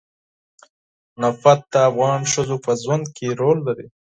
نفت د افغان ښځو په ژوند کې رول لري.